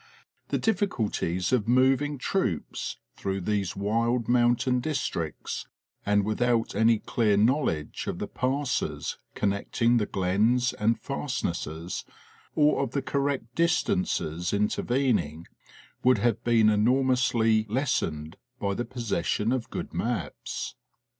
The difficul ties of moving troops through these wild mountain districts, and without any clear knowledge of the passes connecting the glens and fastnesses, or of the correct distances intervening, would have been enormously lessened by the possession of good maps.